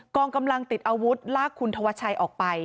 องกำลังติดอาวุธลากคุณธวัชชัยออกไป